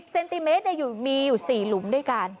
เซนติเมตรมีอยู่๔หลุมด้วยกัน